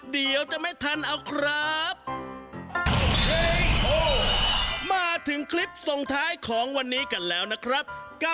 เดี๋ยวจะไม่ทันเอาครับ